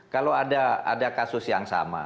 kalau ada kasus yang sama